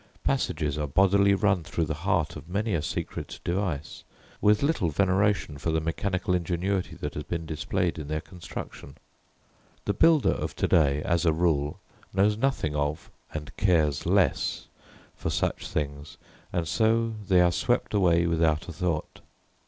Passages are bodily run through the heart of many a secret device, with little veneration for the mechanical ingenuity that has been displayed in their construction. The builder of to day, as a rule, knows nothing of and cares less, for such things, and so they are swept away without a thought.